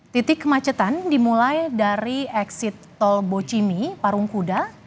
titik kemacetan dimulai dari eksit tol bocimi parungkuda